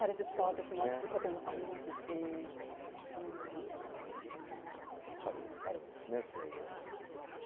それはそっか、でも、やっぱりあるんですね、そういう思い。